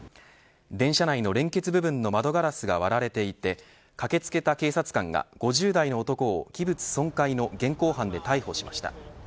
電車内の連結部分の窓ガラスが割られていて駆けつけた警察官が５０代の男を器物損壊の現行犯で逮捕しました。